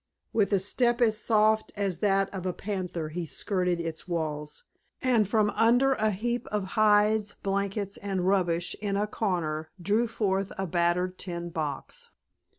With a step as soft as that of a panther he skirted its walls, and from under a heap of hides, blankets and rubbish in a corner drew forth a battered tin box.